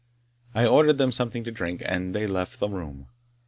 I ordered them something to drink, and they left the room.